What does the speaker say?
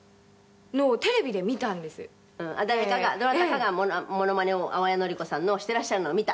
「誰かがどなたかがモノマネを淡谷のり子さんのをしてらっしゃるのを見た？」